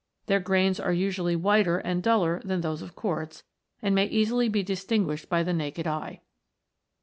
Their grains are usually whiter and duller than those of quartz, and may easily be distinguished by the naked eye.